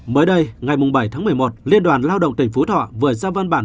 mới đây ngày bảy tháng một mươi một liên đoàn lao động tỉnh phú thọ vừa ra văn bản